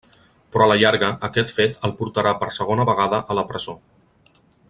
Però a la llarga, aquest fet el portarà per segona vegada a la presó.